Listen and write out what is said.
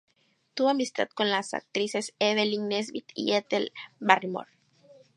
Tuvo amistad con las actrices Evelyn Nesbit y Ethel Barrymore.